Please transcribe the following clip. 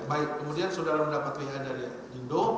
baik kemudian saudara mendapatkan wih dari jindo